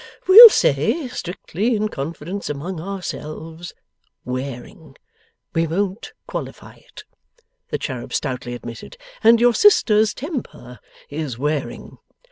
We'll say, strictly in confidence among ourselves, wearing; we won't qualify it,' the cherub stoutly admitted. 'And your sister's temper is wearing.